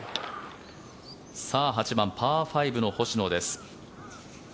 ８番、パー５の星野です。